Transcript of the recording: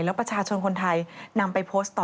แล้วประชาชนคนไทยนำไปโพสต์ต่อ